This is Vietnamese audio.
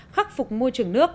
khắc phục môi trường nước